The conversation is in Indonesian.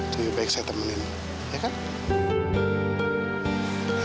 lebih baik saya temenin ya kan